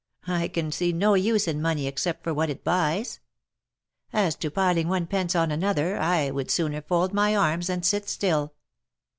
I can see no use in money, except for what it buys. As to piling one pence on another, I would sooner fold my arms and sit still.